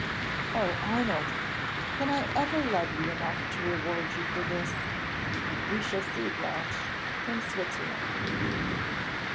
"Oh, Arnold! can I ever love you enough to reward you for this!" "We shall see, Blanche in Switzerland."